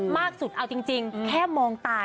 มากสุดเอาจริงแค่มองตาย